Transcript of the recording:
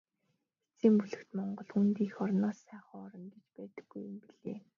Эцсийн бүлэгт Монгол хүнд эх орноос сайхан орон гэж байдаггүй юм билээ.